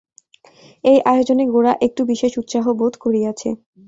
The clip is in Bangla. এই আয়োজনে গোরা একটু বিশেষ উৎসাহ বোধ করিয়াছে।